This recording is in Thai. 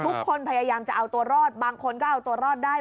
พยายามจะเอาตัวรอดบางคนก็เอาตัวรอดได้